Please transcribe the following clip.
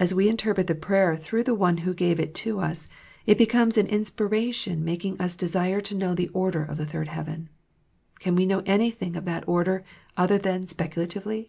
As we interpret the prayer through the One who gave it to us, it becomes an inspira tion making us desire to know the order of the third heaven. Can we know anything of that order other than speculatively